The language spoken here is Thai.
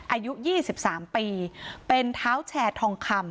อายุยี่สิบสามปีเป็นเท้าแชร์ทองคำ